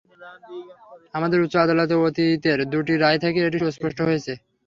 আমাদের উচ্চ আদালতের অতীতের দুটি রায় থেকে এটি সুস্পষ্ট হয়েছে।